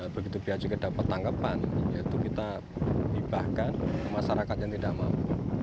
begitu bia juga dapat tanggapan yaitu kita hibahkan ke masyarakat yang tidak mampu